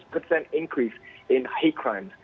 delapan ratus persen peningkatan perang jahat